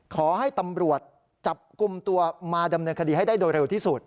ขอให้ตำรวจจับกลุ่มตัวมาดำเนินคดีให้ได้โดยเร็วที่สุด